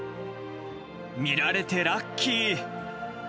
見られてラッキー。